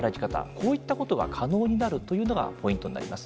こういったことが可能になるというのがポイントになります。